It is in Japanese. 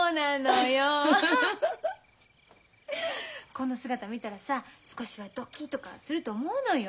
この姿見たらさ少しはドキっとかすると思うのよ。